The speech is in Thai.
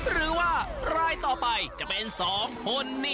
หรือว่ารายต่อไปจะเป็น๒คนนี้